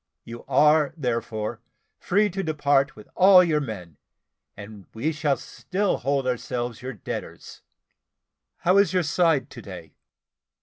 You are, therefore, free to depart with all your men, and we shall still hold ourselves your debtors. How is your side to day?"